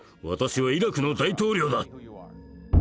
私はイラクの大統領だ！」。